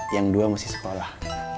yang dua masih sekolah